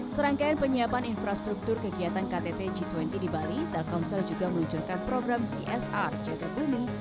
serangkaian penyiapan infrastruktur kegiatan ktt g dua puluh di bali telkomsel juga meluncurkan program csr jaga bumi